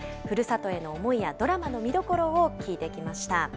ふるさとへの思いやドラマの見どころを聞いてきました。